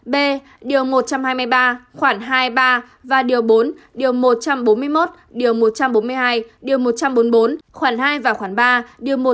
b điều một trăm hai mươi ba khoảng hai ba và điều bốn điều một trăm bốn mươi một điều một trăm bốn mươi hai điều một trăm bốn mươi bốn khoảng hai và khoảng ba điều một trăm bốn mươi sáu